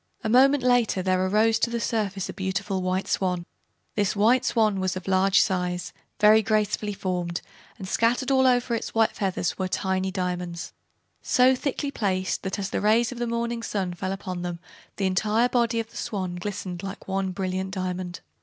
A moment later there arose to the surface a beautiful White Swan. This Swan was of large size, very gracefully formed, and scattered all over its white feathers were tiny diamonds, so thickly placed that as the rays of the morning sun fell upon them the entire body of the Swan glistened like one brilliant diamond.